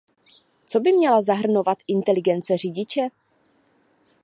Co by měla zahrnovat inteligence řidiče?